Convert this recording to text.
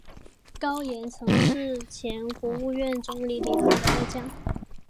高严曾是前国务院总理李鹏的爱将。